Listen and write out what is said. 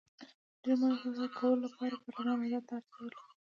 د ډېرو مالیاتو وضعه کولو لپاره پارلمان رضایت ته اړتیا درلوده.